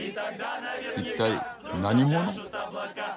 一体何者？